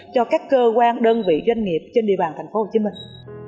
cho các cơ quan đơn vị doanh nghiệp trên địa bàn thành phố hồ chí minh